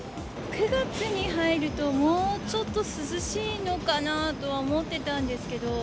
９月に入ると、もうちょっと涼しいのかなとは思ってたんですけど。